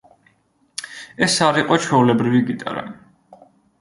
ეს არ იყო ჩვეულებრივი გიტარა.